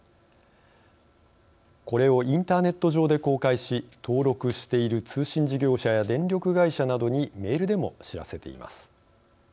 これをインターネット上で公開し登録している通信事業者や電力会社などにメールでも知らせています。